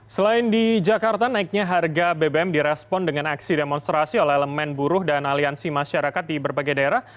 selain di jakarta naiknya harga bbm direspon dengan aksi demonstrasi oleh elemen buruh dan aliansi masyarakat di berbagai daerah